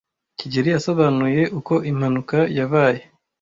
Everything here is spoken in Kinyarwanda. kigeli yasobanuye uko impanuka yabaye.